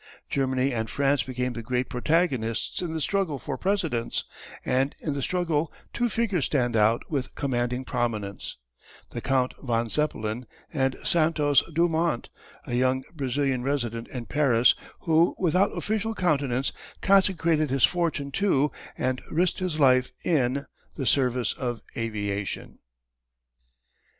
Germany and France became the great protagonists in the struggle for precedence and in the struggle two figures stand out with commanding prominence the Count von Zeppelin and Santos Dumont, a young Brazilian resident in Paris who without official countenance consecrated his fortune to, and risked his life in, the service of aviation.